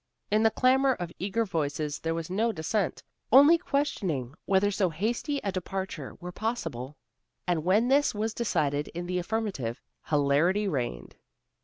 In the clamor of eager voices there was no dissent, only questioning whether so hasty a departure were possible. And when this was decided in the affirmative, hilarity reigned.